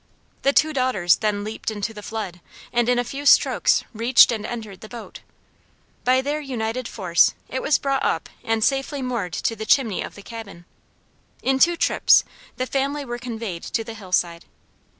The two daughters then leaped into the flood, and in a few strokes reached and entered the boat. By their united force it was brought up and safely moored to the chimney of the cabin. In two trips the family were conveyed to the hillside.